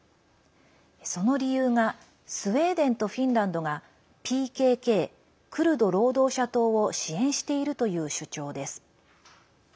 その理由がスウェーデンとフィンランドがＰＫＫ＝クルド労働者党を支援しているという主張です。